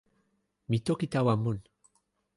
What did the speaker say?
mi toki tawa mun.